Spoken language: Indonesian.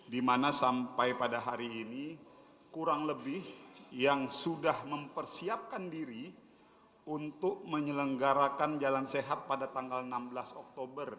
dimana sampai pada hari ini kurang lebih yang sudah mempersiapkan diri untuk menyelenggarakan jalan sehat pada tanggal enam belas oktober